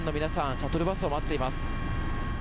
シャトルバスを待っています。